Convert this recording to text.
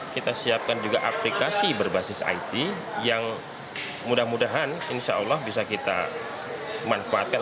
kita siapkan juga aplikasi berbasis it yang mudah mudahan insya allah bisa kita manfaatkan